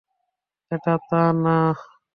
এটা তা না।